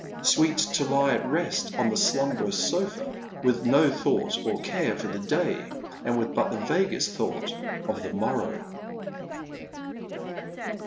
Sweet to lie at rest on the slumberous sofa, with no thought or care for the day, and with but vaguest thought of the morrow.